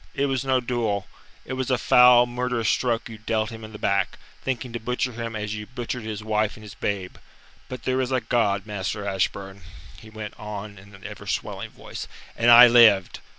It was no duel. It was a foul, murderous stroke you dealt him in the back, thinking to butcher him as you butchered his wife and his babe. But there is a God, Master Ashburn," he went on in an ever swelling voice, "and I lived.